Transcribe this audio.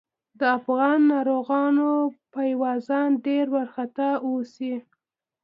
د افغان ناروغانو پايوازان ډېر وارخطا اوسي.